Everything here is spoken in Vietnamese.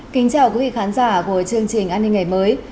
kính chào quý vị khán giả của chương trình an ninh ngày mới